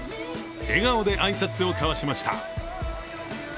笑顔で挨拶を交わしました。